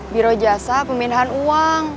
biro jasa pembinaan uang